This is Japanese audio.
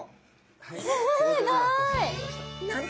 すごい。